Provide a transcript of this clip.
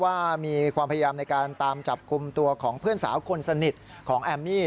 ว่ามีความพยายามในการตามจับกลุ่มตัวของเพื่อนสาวคนสนิทของแอมมี่